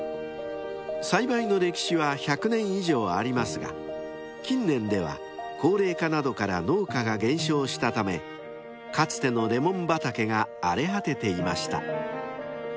［栽培の歴史は１００年以上ありますが近年では高齢化などから農家が減少したためかつてのレモン畑が荒れ果てていました］